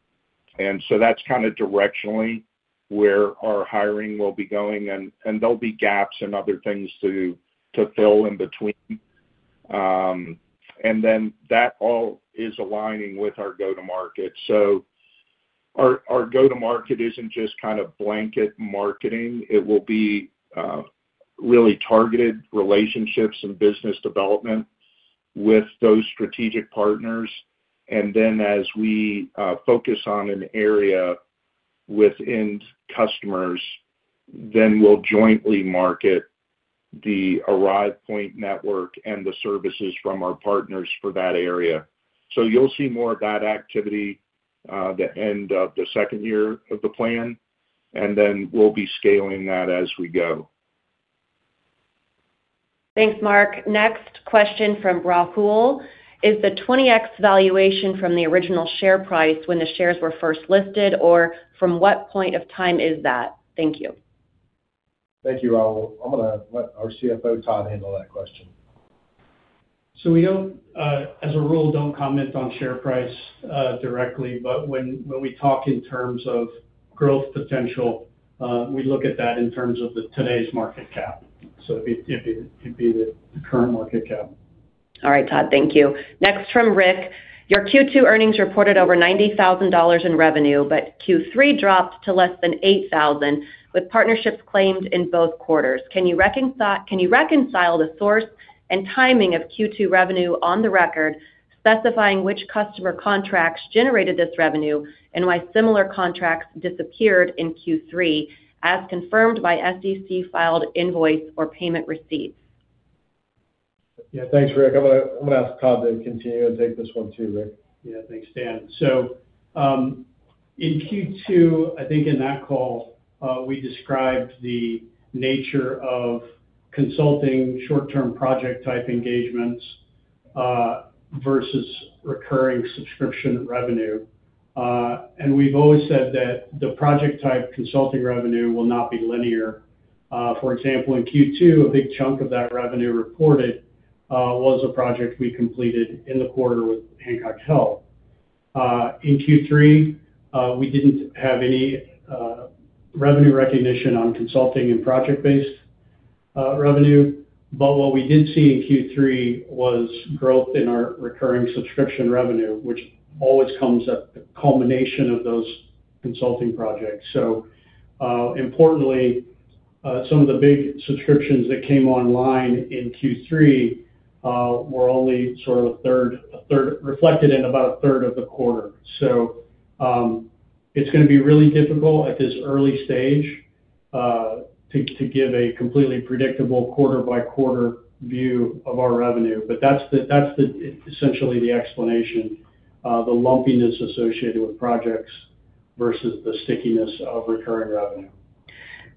so that's kind of directionally where our hiring will be going. And there'll be gaps and other things to fill in between. And then that all is aligning with our go-to-market. So our go-to-market isn't just kind of blanket marketing. It will be really targeted relationships and business development with those strategic partners. As we focus on an area with end customers, then we'll jointly market the Arrive Point network and the services from our partners for that area. You will see more of that activity at the end of the second year of the plan. We will be scaling that as we go. Thanks, Mark. Next question from Rahul. Is the 20X valuation from the original share price when the shares were first listed, or from what point of time is that? Thank you. Thank you, Rahul. I'm going to let our CFO, Todd Pepmeier, handle that question. We, as a rule, don't comment on share price directly. But when we talk in terms of growth potential, we look at that in terms of today's market cap. It would be the current market cap. All right, Todd. Thank you. Next from Rick. Your Q2 earnings reported over $90,000 in revenue, but Q3 dropped to less than $8,000 with partnerships claimed in both quarters. Can you reconcile the source and timing of Q2 revenue on the record, specifying which customer contracts generated this revenue and why similar contracts disappeared in Q3, as confirmed by SEC-filed invoice or payment receipts? Yeah. Thanks, Rick. I'm going to ask Todd to continue and take this one too, Rick. Yeah. Thanks, Dan. In Q2, I think in that call, we described the nature of consulting short-term project-type engagements versus recurring subscription revenue. We've always said that the project-type consulting revenue will not be linear. For example, in Q2, a big chunk of that revenue reported was a project we completed in the quarter with Hancock Health. In Q3, we did not have any revenue recognition on consulting and project-based revenue. What we did see in Q3 was growth in our recurring subscription revenue, which always comes at the culmination of those consulting projects. Importantly, some of the big subscriptions that came online in Q3 were only sort of reflected in about a third of the quarter. It is going to be really difficult at this early stage to give a completely predictable quarter-by-quarter view of our revenue. That's essentially the explanation, the lumpiness associated with projects versus the stickiness of recurring revenue.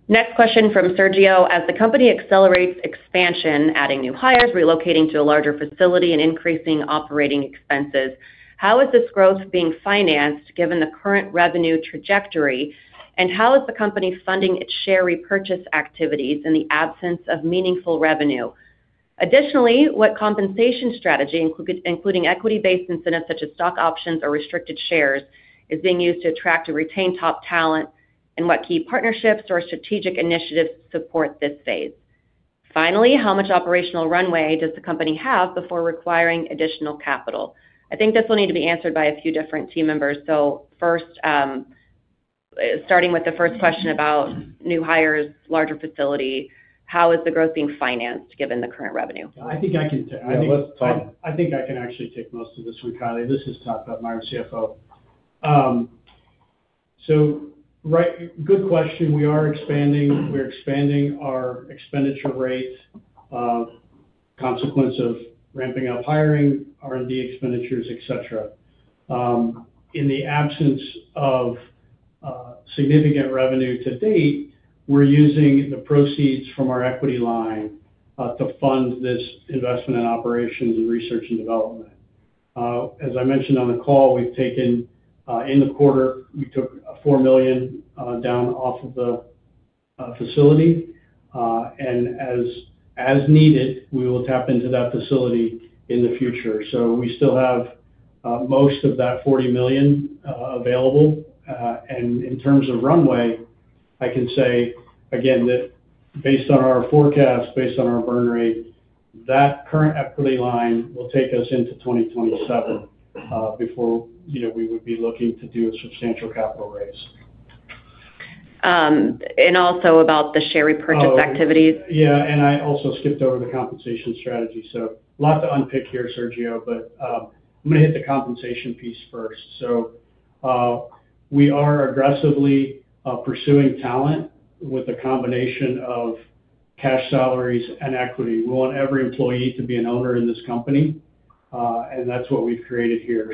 Next question from Sergio. As the company accelerates expansion, adding new hires, relocating to a larger facility, and increasing operating expenses, how is this growth being financed given the current revenue trajectory? How is the company funding its share repurchase activities in the absence of meaningful revenue? Additionally, what compensation strategy, including equity-based incentives such as stock options or restricted shares, is being used to attract and retain top talent, and what key partnerships or strategic initiatives support this phase? Finally, how much operational runway does the company have before requiring additional capital? I think this will need to be answered by a few different team members. First, starting with the first question about new hires, larger facility, how is the growth being financed given the current revenue? Yeah. I think I can—I think I can actually take most of this one, Kylie. This is Todd, but my own CFO. Good question. We are expanding our expenditure rate as a consequence of ramping up hiring, R&D expenditures, etc. In the absence of significant revenue to date, we're using the proceeds from our equity line to fund this investment in operations and research and development. As I mentioned on the call, in the quarter, we took $4 million down off of the facility. As needed, we will tap into that facility in the future. We still have most of that $40 million available. In terms of runway, I can say, again, that based on our forecast, based on our burn rate, that current equity line will take us into 2027 before we would be looking to do a substantial capital raise. Also about the share repurchase activities? Yeah. I also skipped over the compensation strategy. A lot to unpick here, Sergio, but I'm going to hit the compensation piece first. We are aggressively pursuing talent with a combination of cash salaries and equity. We want every employee to be an owner in this company. That's what we've created here.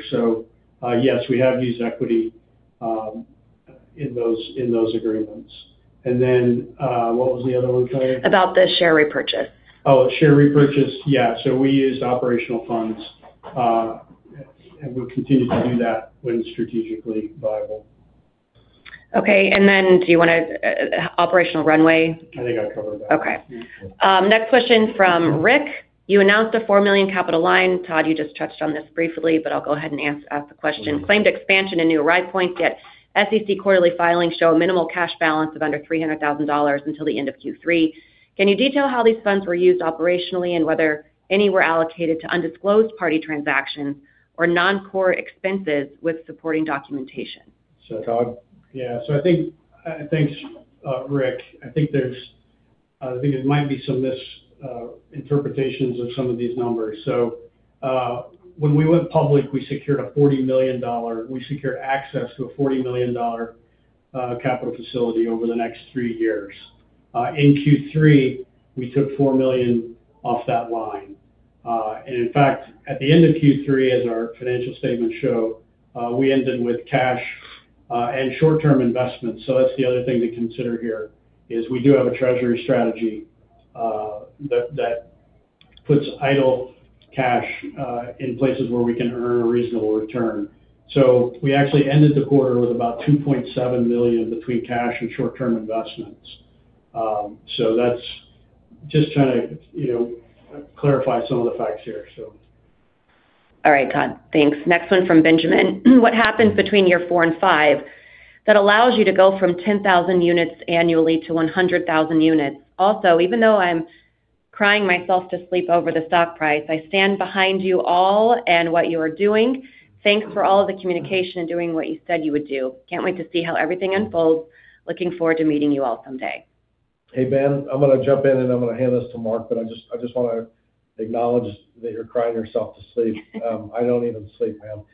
Yes, we have used equity in those agreements. What was the other one, Kylie? About the share repurchase. Oh, share repurchase, yeah. We used operational funds, and we'll continue to do that when strategically viable. Okay. And then do you want to operational runway? I think I've covered that. Okay. Next question from Rick. You announced a $4 million capital line. Todd, you just touched on this briefly, but I'll go ahead and ask the question. Claimed expansion and new Arrive Point, yet SEC quarterly filings show a minimal cash balance of under $300,000 until the end of Q3. Can you detail how these funds were used operationally and whether any were allocated to undisclosed party transactions or non-core expenses with supporting documentation? So. Todd? Yeah. I think, Rick, I think there might be some misinterpretations of some of these numbers. When we went public, we secured a $40 million. We secured access to a $40 million capital facility over the next three years. In Q3, we took $4 million off that line. In fact, at the end of Q3, as our financial statements show, we ended with cash and short-term investments. The other thing to consider here is we do have a treasury strategy that puts idle cash in places where we can earn a reasonable return. We actually ended the quarter with about $2.7 million between cash and short-term investments. That is just trying to clarify some of the facts here. All right, Todd. Thanks. Next one from Benjamin. What happens between year four and five that allows you to go from 10,000 units annually to 100,000 units? Also, even though I'm crying myself to sleep over the stock price, I stand behind you all and what you are doing. Thanks for all of the communication and doing what you said you would do. Can't wait to see how everything unfolds. Looking forward to meeting you all someday. Hey, Ben. I'm going to jump in, and I'm going to hand this to Mark, but I just want to acknowledge that you're crying yourself to sleep. I don't even sleep, man.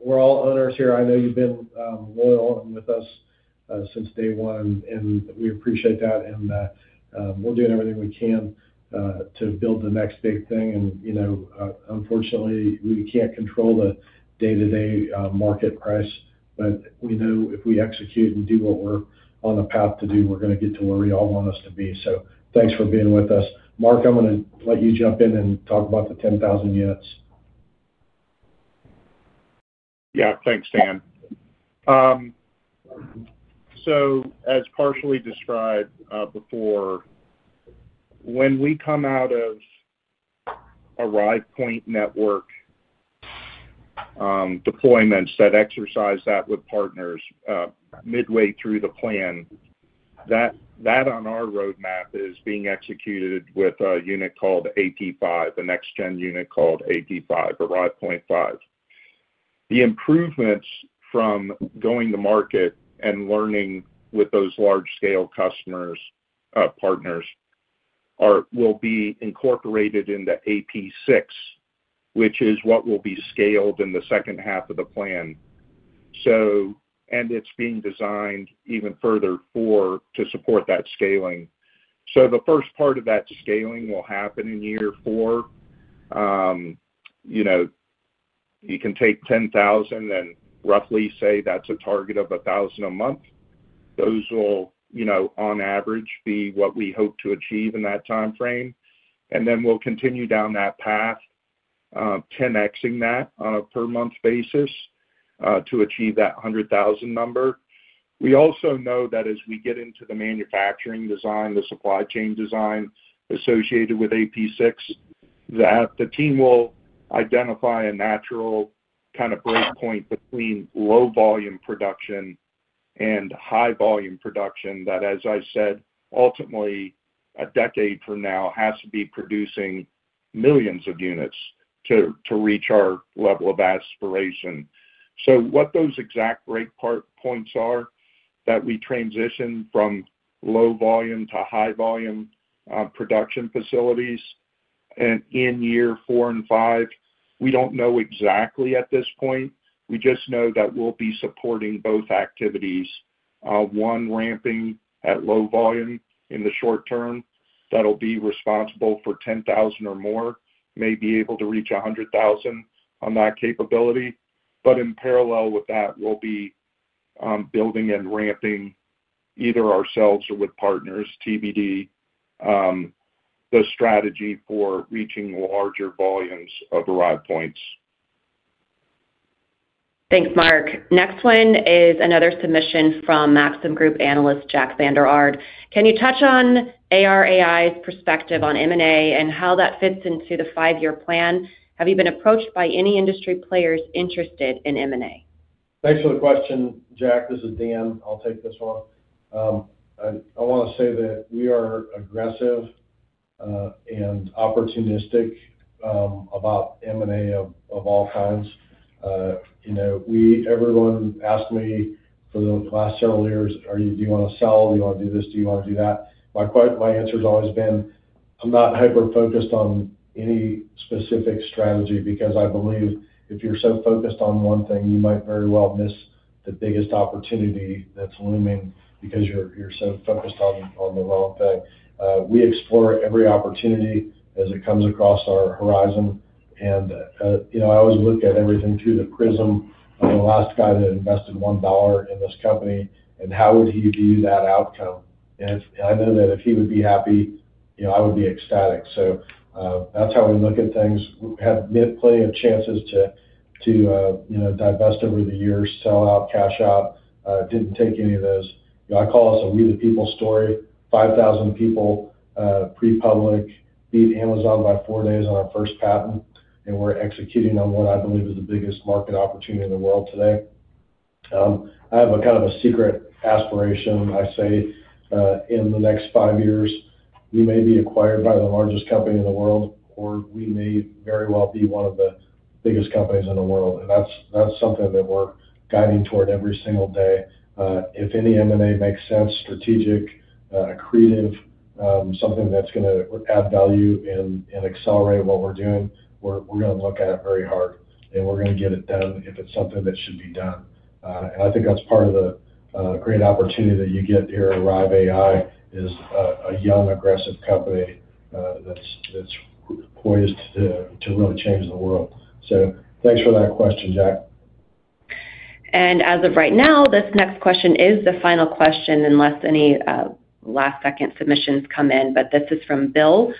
We're all owners here. I know you've been loyal and with us since day one, and we appreciate that. We're doing everything we can to build the next big thing. Unfortunately, we can't control the day-to-day market price, but we know if we execute and do what we're on the path to do, we're going to get to where we all want us to be. Thanks for being with us. Mark, I'm going to let you jump in and talk about the 10,000 units. Yeah. Thanks, Dan. So as partially described before, when we come out of Arrive Point network deployments that exercise that with partners midway through the plan, that on our roadmap is being executed with a unit called AP5, a next-gen unit called AP5, Arrive Point 5. The improvements from going to market and learning with those large-scale customers, partners, will be incorporated into AP6, which is what will be scaled in the second half of the plan. It is being designed even further to support that scaling. The first part of that scaling will happen in year four. You can take 10,000 and roughly say that's a target of 1,000 a month. Those will, on average, be what we hope to achieve in that timeframe. We will continue down that path, 10x-ing that on a per-month basis to achieve that 100,000 number. We also know that as we get into the manufacturing design, the supply chain design associated with AP6, that the team will identify a natural kind of breakpoint between low-volume production and high-volume production that, as I said, ultimately, a decade from now, has to be producing millions of units to reach our level of aspiration. What those exact breakpoints are that we transition from low-volume to high-volume production facilities in year four and five, we do not know exactly at this point. We just know that we will be supporting both activities. One ramping at low volume in the short term that will be responsible for 10,000 or more, may be able to reach 100,000 on that capability. In parallel with that, we will be building and ramping either ourselves or with partners, TBD, the strategy for reaching larger volumes of Arrive Points. Thanks, Mark. Next one is another submission from Maxim Group analyst, Jack Vander Aarde. Can you touch on Arrive AI's perspective on M&A and how that fits into the five-year plan? Have you been approached by any industry players interested in M&A? Thanks for the question, Jack. This is Dan. I'll take this one. I want to say that we are aggressive and opportunistic about M&A of all kinds. Everyone asked me for the last several years, "Do you want to sell? Do you want to do this? Do you want to do that?" My answer has always been, "I'm not hyper-focused on any specific strategy because I believe if you're so focused on one thing, you might very well miss the biggest opportunity that's looming because you're so focused on the wrong thing." We explore every opportunity as it comes across our horizon. I always look at everything through the prism of the last guy that invested $1 in this company and how would he view that outcome. I know that if he would be happy, I would be ecstatic. That's how we look at things. We had plenty of chances to divest over the years, sell out, cash out. Did not take any of those. I call us a We the People story. 5,000 people pre-public, beat Amazon by four days on our first patent. We are executing on what I believe is the biggest market opportunity in the world today. I have a kind of a secret aspiration. I say in the next five years, we may be acquired by the largest company in the world, or we may very well be one of the biggest companies in the world. That is something that we are guiding toward every single day. If any M&A makes sense, strategic, creative, something that is going to add value and accelerate what we are doing, we are going to look at it very hard. We are going to get it done if it is something that should be done. I think that's part of the great opportunity that you get here. Arrive AI is a young, aggressive company that's poised to really change the world. Thanks for that question, Jack. As of right now, this next question is the final question unless any last-second submissions come in. This is from Bill.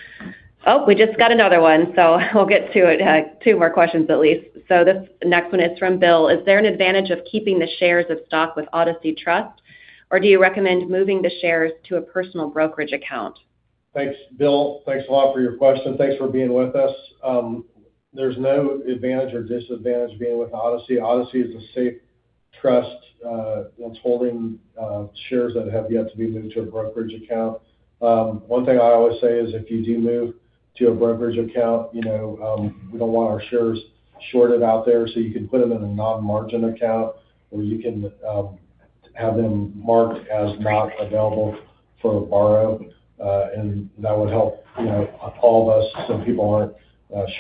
Oh, we just got another one. We'll get to two more questions at least. This next one is from Bill. Is there an advantage of keeping the shares of stock with Odyssey Trust, or do you recommend moving the shares to a personal brokerage account? Thanks, Bill. Thanks a lot for your question. Thanks for being with us. There's no advantage or disadvantage being with Odyssey. Odyssey is a safe trust that's holding shares that have yet to be moved to a brokerage account. One thing I always say is if you do move to a brokerage account, we don't want our shares shorted out there. You can put them in a non-margin account, or you can have them marked as not available for a borrow. That would help all of us so people aren't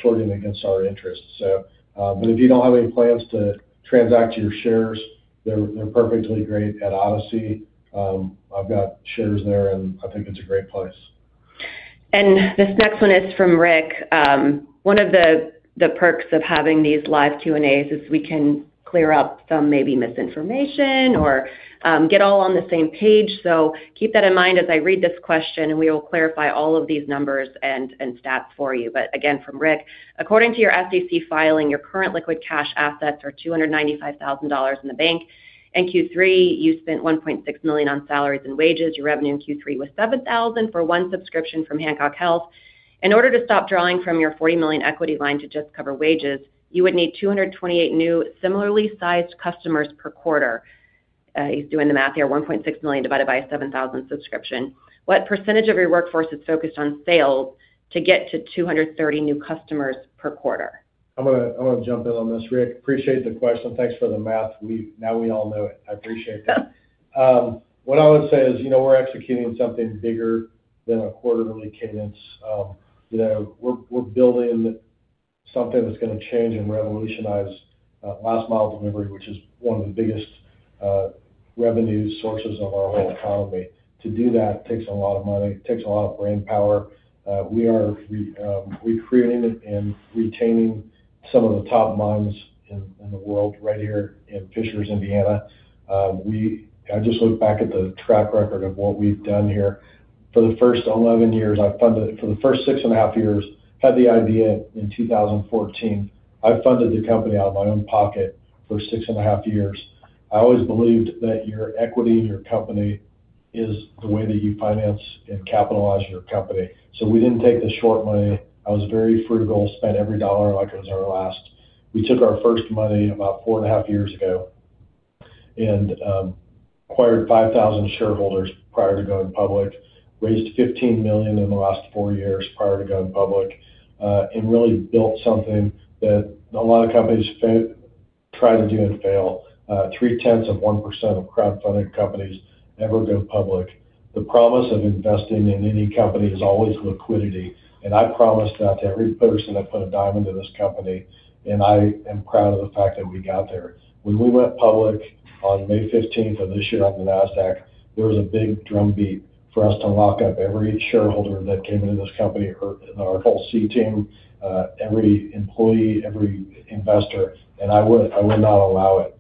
shorting against our interests. If you don't have any plans to transact your shares, they're perfectly great at Odyssey. I've got shares there, and I think it's a great place. This next one is from Rick. One of the perks of having these live Q&As is we can clear up some maybe misinformation or get all on the same page. Keep that in mind as I read this question, and we will clarify all of these numbers and stats for you. Again, from Rick, according to your SEC filing, your current liquid cash assets are $295,000 in the bank. In Q3, you spent $1.6 million on salaries and wages. Your revenue in Q3 was $7,000 for one subscription from Hancock Health. In order to stop drawing from your $40 million equity line to just cover wages, you would need 228 new similarly sized customers per quarter. He's doing the math here. $1.6 million divided by a $7,000 subscription. What % of your workforce is focused on sales to get to 230 new customers per quarter? I'm going to jump in on this, Rick. Appreciate the question. Thanks for the math. Now we all know it. I appreciate that. What I would say is we're executing something bigger than a quarterly cadence. We're building something that's going to change and revolutionize last-mile delivery, which is one of the biggest revenue sources of our whole economy. To do that takes a lot of money. It takes a lot of brain power. We are recruiting and retaining some of the top minds in the world right here in Fishers, Indiana. I just look back at the track record of what we've done here. For the first 11 years, I funded for the first six and a half years, had the idea in 2014. I funded the company out of my own pocket for six and a half years. I always believed that your equity in your company is the way that you finance and capitalize your company. We did not take the short money. I was very frugal, spent every dollar like it was our last. We took our first money about four and a half years ago and acquired 5,000 shareholders prior to going public, raised $15 million in the last four years prior to going public, and really built something that a lot of companies try to do and fail. Three-tenths of 1% of crowdfunded companies ever go public. The promise of investing in any company is always liquidity. I promise that to every person that put a dime into this company. I am proud of the fact that we got there. When we went public on May 15th of this year on the NASDAQ, there was a big drumbeat for us to lock up every shareholder that came into this company, our whole C team, every employee, every investor. I would not allow it.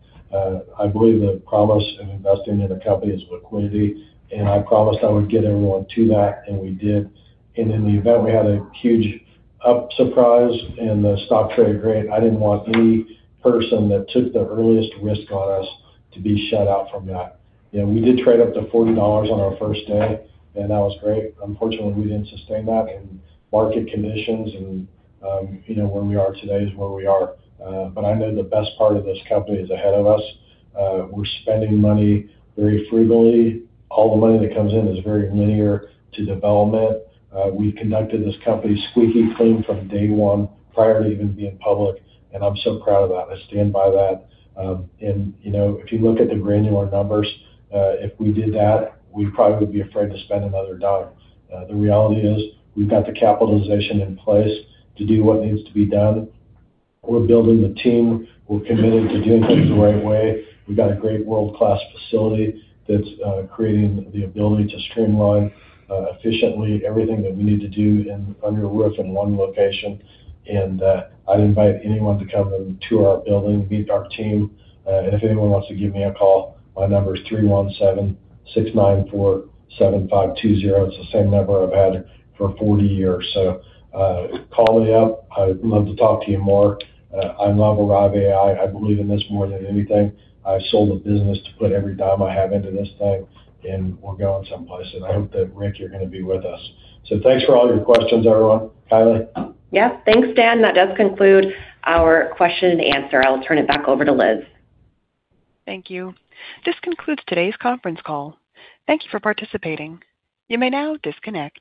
I believe the promise of investing in a company is liquidity. I promised I would get everyone to that, and we did. In the event we had a huge up surprise and the stock traded great, I did not want any person that took the earliest risk on us to be shut out from that. We did trade up to $40 on our first day, and that was great. Unfortunately, we did not sustain that. Market conditions and where we are today is where we are. I know the best part of this company is ahead of us. We are spending money very frugally. All the money that comes in is very linear to development. We've conducted this company squeaky clean from day one prior to even being public. I'm so proud of that. I stand by that. If you look at the granular numbers, if we did that, we probably would be afraid to spend another dollar. The reality is we've got the capitalization in place to do what needs to be done. We're building the team. We're committed to doing things the right way. We've got a great world-class facility that's creating the ability to streamline efficiently everything that we need to do under a roof in one location. I'd invite anyone to come into our building, meet our team. If anyone wants to give me a call, my number is 317-694-7520. It's the same number I've had for 40 years. Call me up. I'd love to talk to you more. I love Arrive AI. I believe in this more than anything. I've sold the business to put every dime I have into this thing. We're going someplace. I hope that, Rick, you're going to be with us. Thanks for all your questions, everyone. Kylie? Yep. Thanks, Dan. That does conclude our question and answer. I'll turn it back over to Liz. Thank you. This concludes today's conference call. Thank you for participating. You may now disconnect.